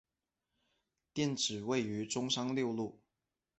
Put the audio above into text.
店址位于中山六路。